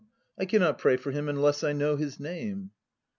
I cannot pray for him unless I know his name.